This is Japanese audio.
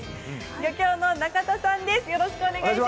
漁協の中田さんです。